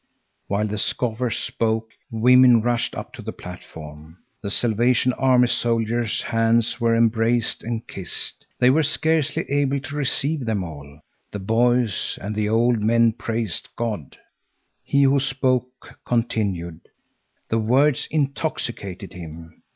While the scoffer spoke, women rushed up to the platform. The Salvation Army soldiers' hands were embraced and kissed; they were scarcely able to receive them all. The boys and the old men praised God. He who spoke continued. The words intoxicated him.